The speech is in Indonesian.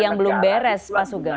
yang belum beres pak sugeng